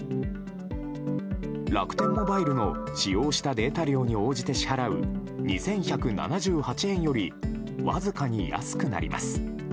楽天モバイルの使用したデータ量に応じて支払う２１７８円よりわずかに安くなります。